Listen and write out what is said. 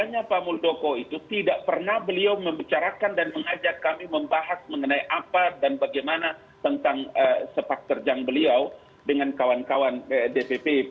makanya pak muldoko itu tidak pernah beliau membicarakan dan mengajak kami membahas mengenai apa dan bagaimana tentang sepak terjang beliau dengan kawan kawan dpp